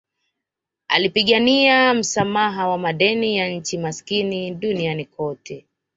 Alipigania msamaha wa madeni ya nchi maskini duniani kote